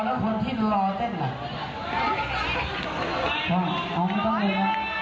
สำเร็จสำเร็จ